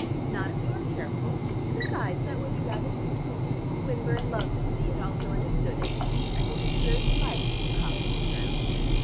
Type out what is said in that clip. "Not if you are careful. Besides, that would be rather suitable. Swinburne loved the sea, and also understood it. I think his spirit would like it, if a copy was drowned."